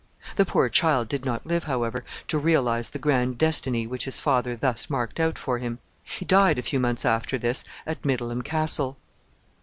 The poor child did not live, however, to realize the grand destiny which his father thus marked out for him. He died a few months after this at Middleham Castle.